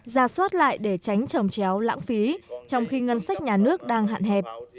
ra soát lại để tránh trồng chéo lãng phí trong khi ngân sách nhà nước đang hạn hẹp